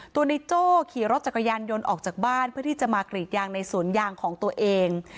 ในโจ้ขี่รถจักรยานยนต์ออกจากบ้านเพื่อที่จะมากรีดยางในสวนยางของตัวเอง